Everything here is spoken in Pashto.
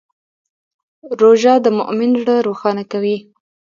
روژه د مؤمن زړه روښانه کوي.